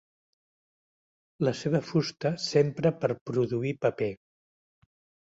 La seva fusta s'empra per produir paper.